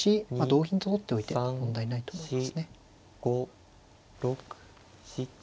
同銀と取っておいて問題ないと思いますね。